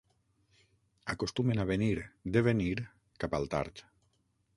Acostumen a venir, de venir, cap al tard.